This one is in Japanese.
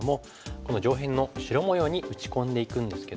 この上辺の白模様に打ち込んでいくんですけども。